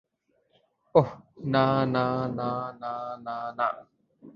অহ, না, না, না, না, না, না।